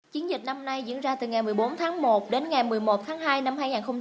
chiến dịch năm nay diễn ra từ ngày một mươi bốn tháng một đến ngày một mươi một tháng hai năm hai nghìn hai mươi